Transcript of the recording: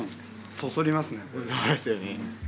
そそりますね。